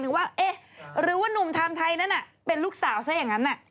นึกว่าเอ๊ะหรือว่านุ่มทำไทยนั่นน่ะเป็นลูกสาวซะอย่างนั้นน่ะ